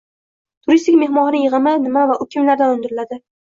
Turistik-mehmonxona yig’imi nima va u kimlardan undiriladi?